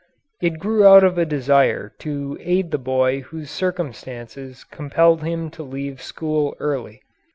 It grew out of a desire to aid the boy whose circumstances compelled him to leave school early.